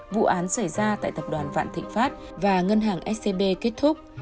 vụ án xảy ra tại tập đoàn vạn thịnh pháp và ngân hàng scb kết thúc